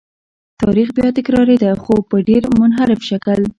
تاریخ بیا تکرارېده خو په ډېر منحرف شکل.